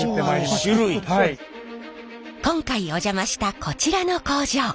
今回お邪魔したこちらの工場。